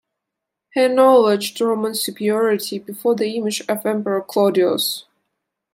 He acknowledged Roman superiority before the image of Emperor Claudius.